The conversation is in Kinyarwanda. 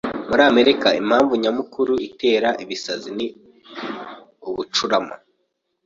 Muri Amerika impamvu nyamukuru itera ibisazi ni ubucurama